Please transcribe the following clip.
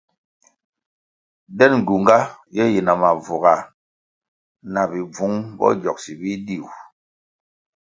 Den gyunga ye yina mavuga, na bibvung bo gyogsi bidiu.